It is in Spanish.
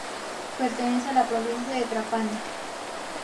Pertenece a la provincia de Trapani.